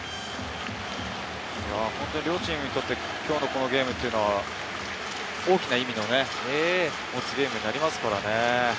両チームにとってこのゲームっていうのは、大きな意味の持つゲームになりますからね。